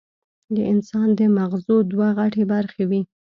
د انسان د مزغو دوه غټې برخې وي